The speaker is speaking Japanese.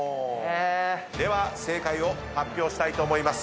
では正解を発表したいと思います。